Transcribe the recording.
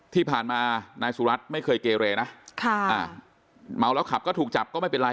ที่ผ่านมานายสุรัตน์ไม่เคยเกเรนะค่ะอ่าเมาแล้วขับก็ถูกจับก็ไม่เป็นไร